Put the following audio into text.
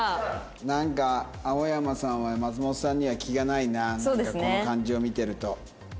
なんか青山さんは松本さんには気がないななんかこの感じを見てると。